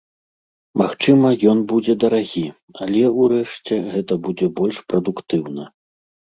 Магчыма, ён будзе дарагі, але, урэшце, гэта будзе больш прадуктыўна.